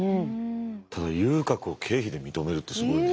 ただ遊郭を経費で認めるってすごいね。